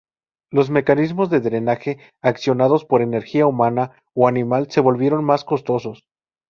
Los mecanismos de drenaje accionados por energía humana o animal se volvieron más costosos.